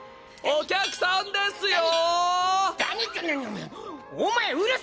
お客さんですよ。